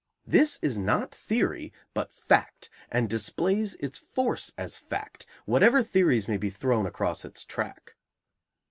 This is not theory, but fact, and displays its force as fact, whatever theories may be thrown across its track.